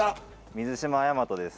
水島大和です。